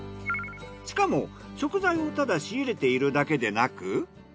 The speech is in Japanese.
しかも食材をただ仕入れているだけでなく。